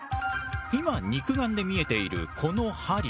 今肉眼で見えているこの針。